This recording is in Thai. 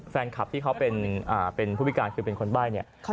แฟนคลับที่เขาเป็นผู้พิการคือเป็นคนใบ้เนี่ย